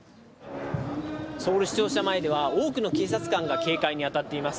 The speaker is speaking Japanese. ソウル市庁舎前には、多くの警察官が警戒に当たっています。